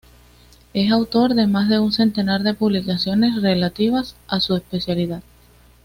Es autor de más de un centenar de publicaciones relativas a su especialidad.